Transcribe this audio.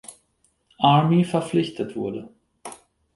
Army verpflichtet wurde.